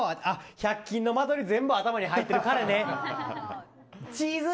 １００均の間取り全部頭に入ってる彼ね。